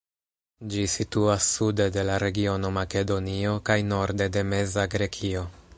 Ĝi situas sude de la regiono Makedonio kaj norde de Meza Grekio.